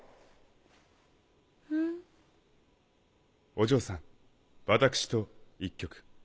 お嬢さん私と１曲。